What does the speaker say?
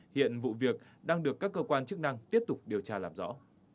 hiện vụ việc đang được các cơ quan chức năng tiếp tục điều tra làm rõ